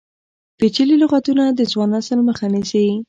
پیچلي لغتونه د ځوان نسل مخه نیسي.